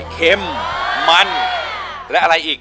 เค็มมันและอะไรอีก